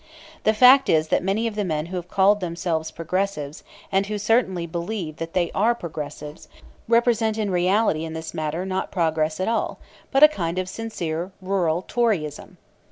The fact is that many of the men who have called themselves Progressives, and who certainly believe that they are Progressives, represent in reality in this matter not progress at all but a kind of sincere rural toryism.